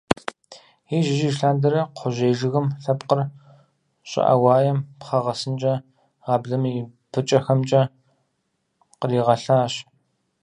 Ижь-ижьыж лъандэрэ кхъужьей жыгым лъэпкъыр щӀыӀэ-уаем пхъэ гъэсынкӀэ, гъаблэми и пыкӀэхэмкӀэ къригъэлащ.